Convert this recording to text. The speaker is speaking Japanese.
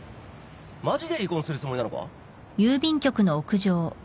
マジで離婚するつもりなのか？